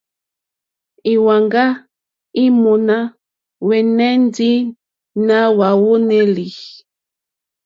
Íwàŋgá í mòná hwɛ́nɛ́ ndí nà hwàónèlì.